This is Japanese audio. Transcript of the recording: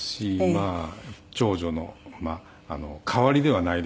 まあ長女の代わりではないですけど。